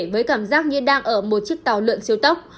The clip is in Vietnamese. với cảm giác như đang ở một chiếc tàu lượn siêu tốc